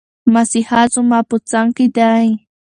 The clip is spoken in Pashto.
مسیحا زما په څنګ کې دی.